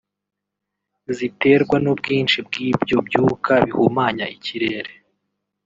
ziterwa n’ubwinshi bw’ibyo byuka bihumanya ikirere